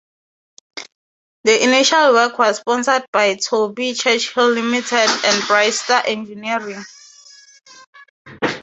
The initial work was sponsored by Toby Churchill Limited, and Brightstar Engineering.